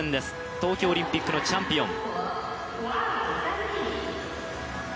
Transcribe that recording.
東京オリンピックのチャンピオン。